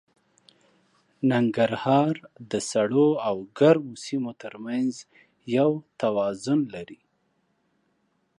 ننګرهار د سړو او ګرمو سیمو تر منځ یو توازن لري.